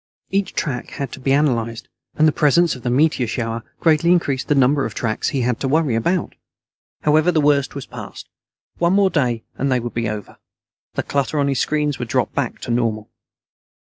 Each track had to be analyzed, and the presence of the meteor shower greatly increased the number of tracks he had to worry about. However, the worst was past. One more day and they would be over. The clutter on his screens would drop back to normal.